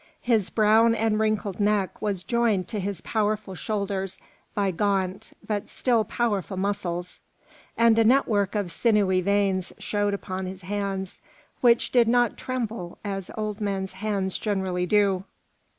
His brown and wrinkled neck was joined to his powerful shoulders by gaunt but still powerful muscles, and a network of sinewy veins showed upon his hands, which did not tremble as old men's hands generally do.